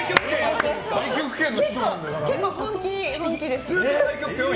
結構、本気です。